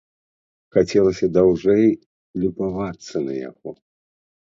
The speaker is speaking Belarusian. Хацелася даўжэй любавацца на яго.